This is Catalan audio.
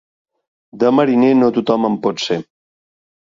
De mariner, no tothom en pot ser.